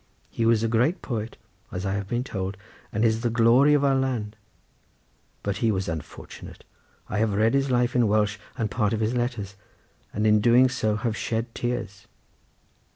He was a great poet as I have been told, and is the glory of our land—but he was unfortunate; I have read his life in Welsh and part of his letters; and in doing so have shed tears."